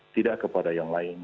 tidak kepada yang lain